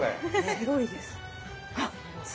セロリです。